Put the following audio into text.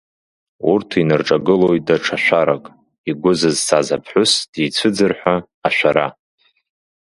Урҭ инарҿагылоит даҽа шәарак игәы зызцаз аԥҳәыс дицәыӡыр ҳәа ашәара…